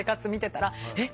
えっ？